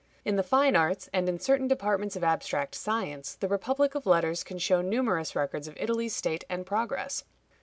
In the fine arts, and in certain departments of abstract science, the republic of letters can show numerous records of Italy's state and progress.